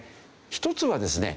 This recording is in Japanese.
一つはですね